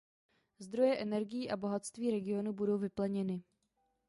Zdroje energií a bohatství regionu budou vypleněny.